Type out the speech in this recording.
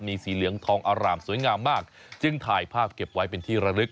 มีสีเหลืองทองอร่ามสวยงามมากจึงถ่ายภาพเก็บไว้เป็นที่ระลึก